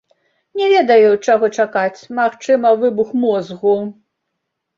Не ведаю, чаго чакаць, магчыма, выбух мозгу.